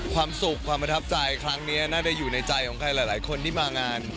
ความสุขความประทับใจครั้งนี้น่าจะอยู่ในใจของใครหลายคนที่มางาน